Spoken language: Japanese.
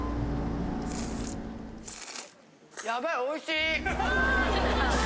ヤバいおいしい！